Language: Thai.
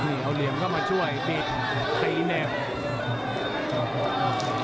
เอาเหลี่ยมเข้ามาช่วยบิดตีแนบ